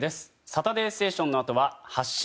「サタデーステーション」のあとは「発進！